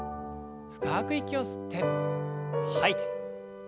深く息を吸って吐いて。